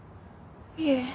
いえ。